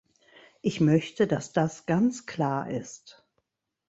Ich möchte, dass das ganz klar ist.